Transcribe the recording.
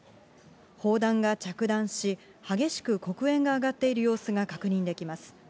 砲弾が着弾し、激しく黒煙が上がっている様子が確認できます。